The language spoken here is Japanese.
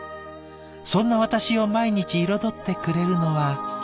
そんな私を毎日彩ってくれるのは」。